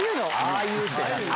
ああいうって。